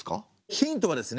ヒントはですね